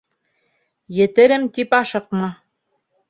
Етерем тип ашыҡма